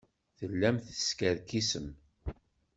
Tellam teskerkisem.